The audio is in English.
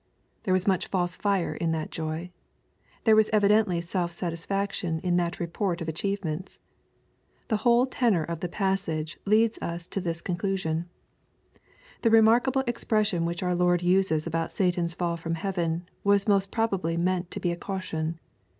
'' There was much false fire in that joy. There was evidently self satisfaction in that report of achievements. The whole tenor of the passage leads us to this conclu sion. The remarkable expression which our Lord uses about Satan's fall from heaven, was most probably meant to be a caution.